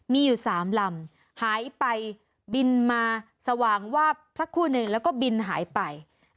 มีอยู่๓ลำหายไปบินมาสว่างวาบสักคู่หนึ่งแล้วก็บินหายไป